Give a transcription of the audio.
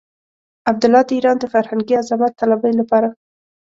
عبدالله د ايران د فرهنګي عظمت طلبۍ لپاره.